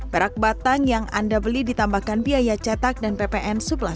perak batang yang anda beli ditambahkan biaya cetak dan ppn sebelas